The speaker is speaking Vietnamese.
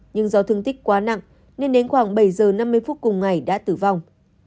nhưng do thương tích quá nặng nên đến khoảng bảy giờ năm mươi phút cùng ngày đã tử vong